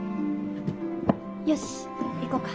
よし行こうか。